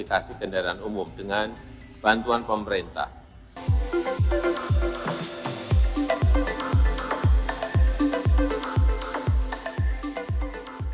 regulasi tentang keberalihan kepada kendaraan listrik pun sudah tercantum melalui perpres nomor lima puluh lima tahun dua ribu sembilan belas tentang percepatan program terbiada kendaraan